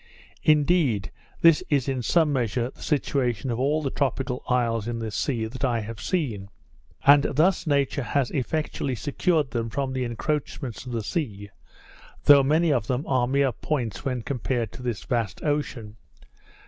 Indeed, this is in some measure the situation of all the tropical isles in this sea that I have seen; and thus nature has effectually secured them from the encroachments of the sea, though many of them are mere points when compared to this vast ocean.